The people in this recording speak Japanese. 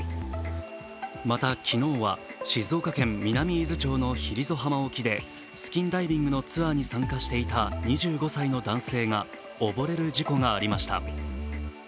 また、昨日は静岡県南伊豆町のヒリゾ浜沖でスキンダイビングのツアーに参加していた２５歳の男性が溺れる事故がありました。